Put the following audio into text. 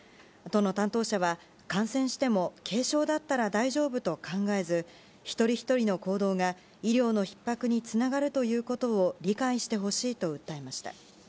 都の担当者は、感染しても軽症だったら大丈夫と考えず一人ひとりの行動が医療のひっ迫につながるということを理解してほしいと訴えました。